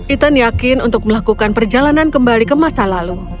ethan yakin untuk melakukan perjalanan kembali ke masa lalu